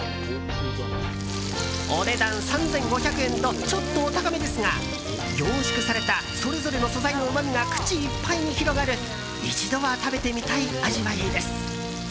お値段３５００円とちょっとお高めですが凝縮されたそれぞれの素材のうまみが口いっぱいに広がる一度は食べてみたい味わいです。